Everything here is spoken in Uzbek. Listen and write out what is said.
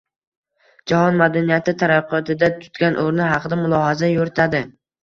Jahon madaniyati taraqqiyotida tutgan oʻrni haqida mulohaza yuritadi.